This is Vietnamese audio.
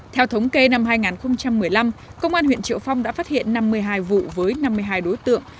theo thống kê năm hai nghìn một mươi năm công an huyện triệu phong đã phát hiện năm mươi hai vụ với năm mươi hai đối tượng